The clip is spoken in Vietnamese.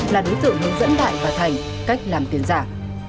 là đối tượng hướng dẫn đại và thành cách làm tiền giả